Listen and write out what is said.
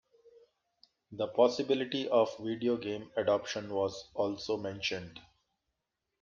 The possibility of a video game adaptation was also mentioned.